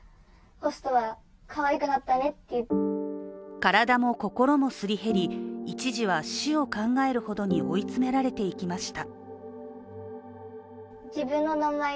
体も心もすり減り、一時は死を考えるほどに追い詰められていきました。